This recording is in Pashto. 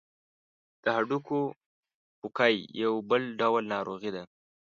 د هډوکو پوکی یو بل ډول ناروغي ده.